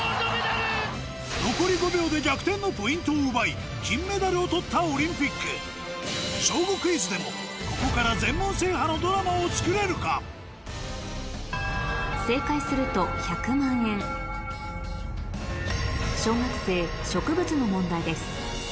残り５秒で逆転のポイントを奪い金メダルを取ったオリンピック『小５クイズ』でもここから小学生植物の問題です